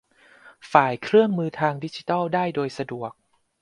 ฝ่ายเครื่องมือทางดิจิทัลได้โดยสะดวก